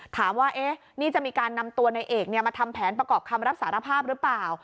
ถามว่านี่จะมีการนำตัวในเอกมาทำแผนประกอบคำรับสารภาพหรือเปล่า